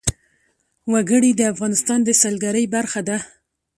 وګړي د افغانستان د سیلګرۍ برخه ده.